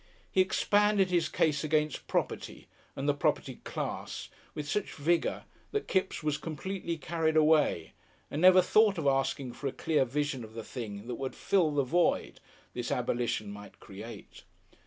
He expanded his case against Property and the property class with such vigour that Kipps was completely carried away, and never thought of asking for a clear vision of the thing that would fill the void this abolition might create.